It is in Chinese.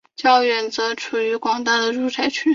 较远处则是广大的住宅区。